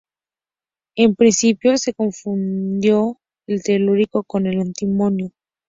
En principio se confundió el telurio con el antimonio.